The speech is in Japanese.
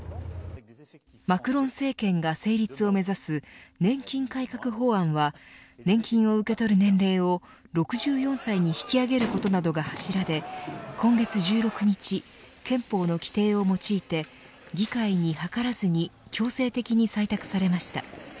マクロン政権が成立を目指す年金改革法案は年金を受け取る年齢を６４歳に引き上げることなどが柱で今月１６日憲法の規定を用いて議会に諮らずに強制的に採択されました。